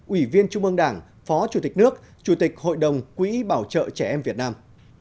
ủy viên trung ương đảng phó chủ tịch nước chủ tịch hội đồng quỹ bảo trợ trẻ em việt nam